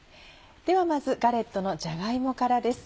ではまずガレットのじゃが芋からです。